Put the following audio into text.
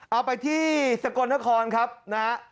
เอาไปที่สกลนครครับนะฮะ